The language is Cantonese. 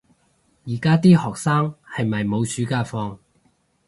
而家啲學生係咪冇暑假放